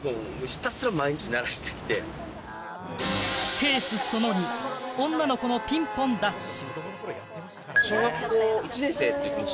ケースその２、女の子のピンポンダッシュ。